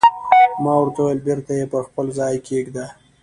ما ورته وویل: بېرته یې پر خپل ځای کېږده.